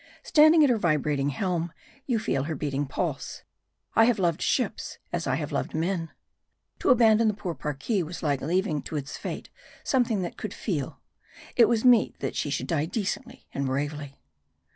Standing at her vibrating helm, you feel her beating pulse. I have loved ships, as I have loved men. To abandon the poor Parki was like leaving to its fate something that could feel. It was meet that she should die decently and bravely.